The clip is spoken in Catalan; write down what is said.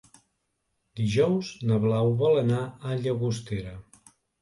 Dijous na Blau vol anar a Llagostera.